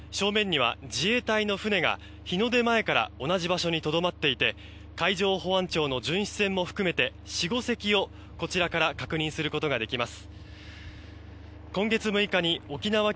正面には自衛隊の船が日の出前から同じ場所にとどまっていて海上保安庁の巡視船も含めて５隻をこちらから確認することができます。